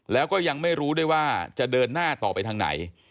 แล้วก็ยังไม่รู้ด้วยว่าจะเดินหน้าต่อไปทางไหน